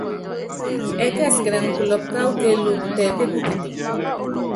Ɛɛ́kɛsikɛnɛn kulɔpu káwú kéelúku tɛ pékukite.